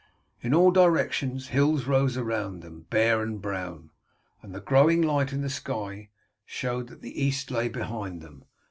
In all directions hills rose around them, bare and brown, and the growing light in the sky showed that the east lay behind them.